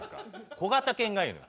小型犬がいいのよ。